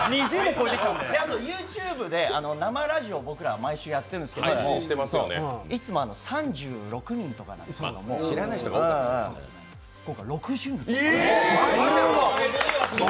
ＹｏｕＴｕｂｅで生ラジオを僕ら毎週やっているんですけどいつも３６人とかなんですけども今回６０人！